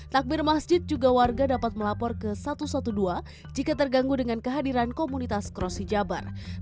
takbir masjid juga warga dapat melapor ke satu ratus dua belas jika terganggu dengan kehadiran komunitas cross hijaber